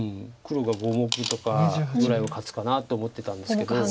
黒が５目とかぐらいは勝つかなと思ってたんですけど。